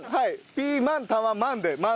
ピー「マン」タワ「マン」で「マン」。